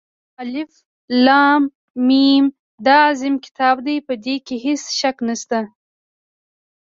الف لام ، میم دا عظیم كتاب دى، په ده كې هېڅ شك نشته.